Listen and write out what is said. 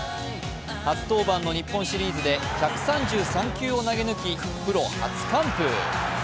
初登板の日本シリーズで１３３球を投げ抜きプロ初完封。